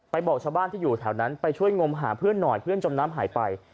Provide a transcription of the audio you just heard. บอกชาวบ้านที่อยู่แถวนั้นไปช่วยงมหาเพื่อนหน่อยเพื่อนจมน้ำหายไป